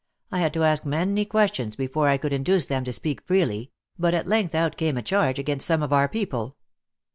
I had to ask many questions before I could induce them to speak freely, but at lerfgth out came a charge against some of our people.